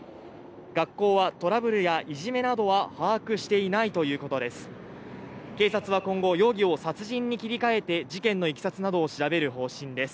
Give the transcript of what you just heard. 学校はトラブルやいじめなどは把握していないということです。